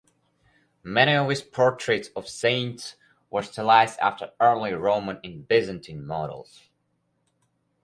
Many of his portraits of saints were stylized after Early Roman and Byzantine models.